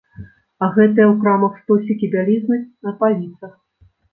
А гэтыя ў крамах стосікі бялізны на паліцах!